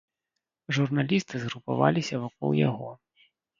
Журналісты згрупаваліся вакол яго.